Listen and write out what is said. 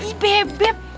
lah eh beb